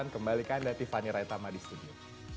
kembalikan dari tiffany raitama di studio